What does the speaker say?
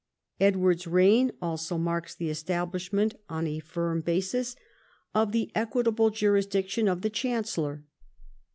Edward's reign also marks the establishment on a firm basis of the equitable juris diction of the chancellor.